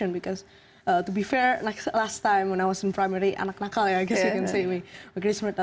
karena untuk sejujurnya kali terakhir saat saya di kelas satu anak anakal ya mungkin anda bisa lihat